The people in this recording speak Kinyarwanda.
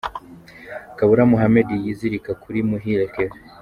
Kabula Mohammed yizirika kuri Muhire Kevin.